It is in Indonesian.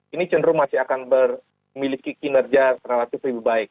ini cenderung masih akan memiliki kinerja relatif lebih baik